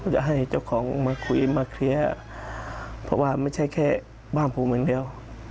จะให้เจ้าของมาคุยมาเคลียร์เพราะว่าไม่ใช่แค่บ้านผมอย่างเดียว